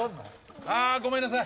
ああごめんなさい。